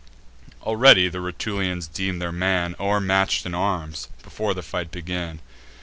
Already the Rutulians deem their man O'ermatch'd in arms, before the fight began.